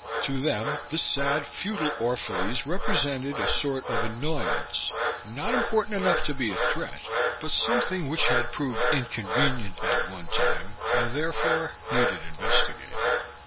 To them the sad, futile Orphalese represented a sort of annoyance not important enough to be a threat but something which had proved inconvenient at one time and therefore needed investigating.